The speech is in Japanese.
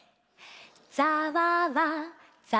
ざわわざわわ